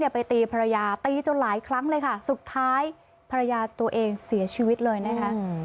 ไปตีภรรยาตีจนหลายครั้งเลยค่ะสุดท้ายภรรยาตัวเองเสียชีวิตเลยนะคะ